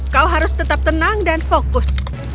kau harus tetap tenang dan fokus